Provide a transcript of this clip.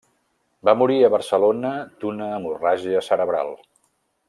Va morir a Barcelona d'una hemorràgia cerebral.